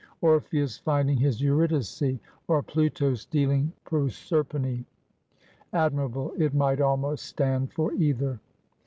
Orpheus finding his Eurydice; or Pluto stealing Proserpine. Admirable! It might almost stand for either."